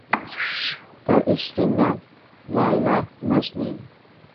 তার স্ত্রীর নাম লায়লা নাজনীন।